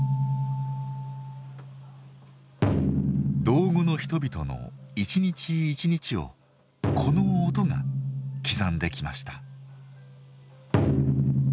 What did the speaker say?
道後の人々の一日一日をこの音が刻んできました。